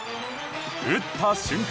打った瞬間